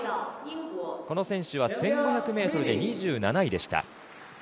この選手は１５００ｍで２７位でした。